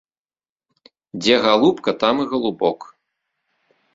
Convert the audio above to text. Дзе галубка, там і галубок!